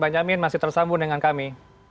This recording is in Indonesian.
pak jamin masih tersambung dengan kami